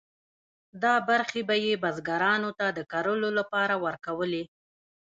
دا برخې به یې بزګرانو ته د کرلو لپاره ورکولې.